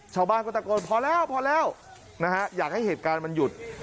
ชาวบ้านก็ตะโกนพอแล้วพอแล้วนะฮะอยากให้เหตุการณ์มันหยุด